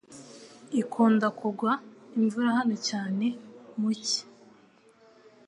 Ikunda kugwa imvura hano cyane mu cyi.